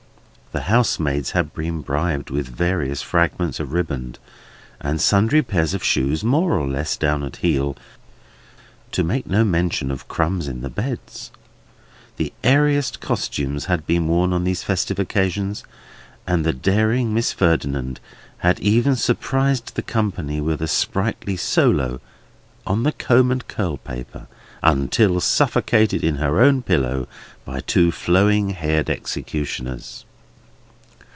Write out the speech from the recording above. The housemaids had been bribed with various fragments of riband, and sundry pairs of shoes more or less down at heel, to make no mention of crumbs in the beds; the airiest costumes had been worn on these festive occasions; and the daring Miss Ferdinand had even surprised the company with a sprightly solo on the comb and curlpaper, until suffocated in her own pillow by two flowing haired executioners.